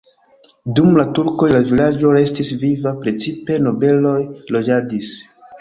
Dum la turkoj la vilaĝo restis viva, precipe nobeloj loĝadis.